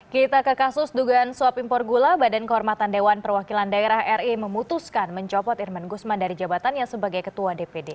kita ke kasus dugaan suap impor gula badan kehormatan dewan perwakilan daerah ri memutuskan mencopot irman gusman dari jabatannya sebagai ketua dpd